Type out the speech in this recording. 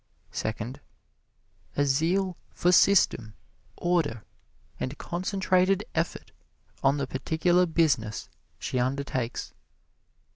Second, A zeal for system, order and concentrated effort on the particular business she undertakes.